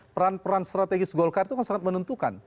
peran peran strategis golkar itu kan sangat menentukan